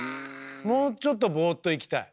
もうちょっとボーっと生きたい。